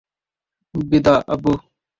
বিদা, আব্বু!